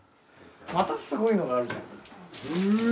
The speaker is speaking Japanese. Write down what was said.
またすごいのがあるじゃん。